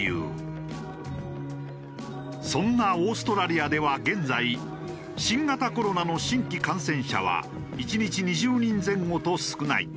そんなオーストラリアでは現在新型コロナの新規感染者は１日２０人前後と少ない。